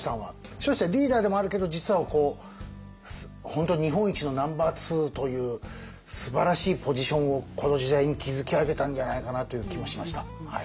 彰子さんリーダーでもあるけど実は本当に日本一のナンバーツーというすばらしいポジションをこの時代に築き上げたんじゃないかなという気もしました。